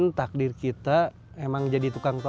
namanya musuh mereka hal good fi appreciate